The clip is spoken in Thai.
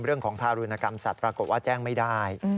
เรื่องของทารุณกรรมสัตว์ปรากฏว่าแจ้งไม่ได้